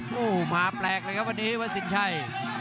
โอ้โหมาแปลกเลยครับวันนี้วัดสินชัย